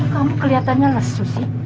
kamu kelihatannya lesu sih